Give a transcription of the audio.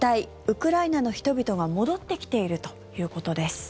ウクライナの人々が戻ってきているということです。